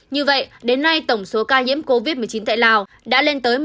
như vậy đến nay tổng số ca nhiễm covid một mươi chín tại lào đã lên tới